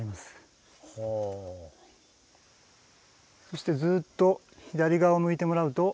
そしてずっと左側を向いてもらうと。